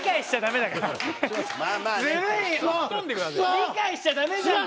理解しちゃダメじゃんかよ！